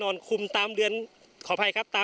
พร้อมด้วยผลตำรวจเอกนรัฐสวิตนันอธิบดีกรมราชทัน